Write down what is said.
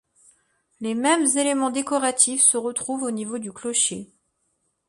Les mêmes éléments décoratifs se retrouvent au niveau du clocher.